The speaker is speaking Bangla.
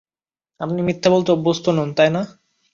আপনি মিথ্যে বলতে অভ্যস্ত নন, তাই না?